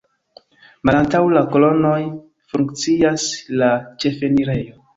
Malantaŭ la kolonoj funkcias la ĉefenirejo.